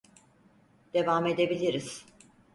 Devam edebiliriz.